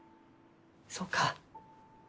そうか。